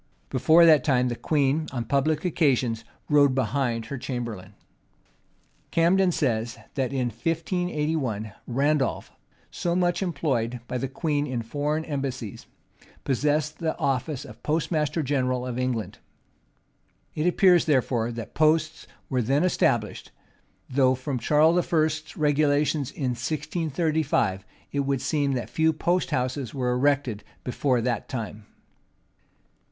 [] Before that time, the queen, on public occasions, rode behind her chamberlain. Camden says, that in 1581, Randolph, so much employed by the queen in foreign embassies, possessed the office of postmaster general of England. It appears, therefore, that posts were then established; though from Charles I.'s regulations in 1635, it would seem that few post houses were erected before that time.